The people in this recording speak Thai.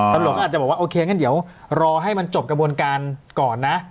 ตำรวจก็อาจจะบอกว่าโอเคงั้นเดี๋ยวรอให้มันจบกระบวนการก่อนนะ